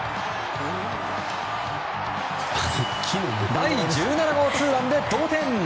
第１７号ツーランで同点！